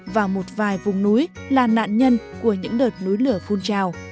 và một vài vùng núi là nạn nhân của những đợt núi lửa phun trào